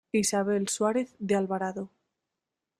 Isabel Suárez de Alvarado.